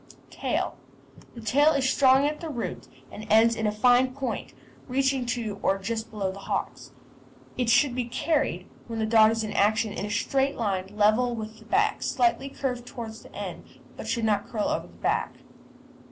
TAIL The tail is strong at the root and ends in a fine point, reaching to or just below the hocks. It should be carried, when the dog is in action, in a straight line level with the back, slightly curved towards the end, but should not curl over the back.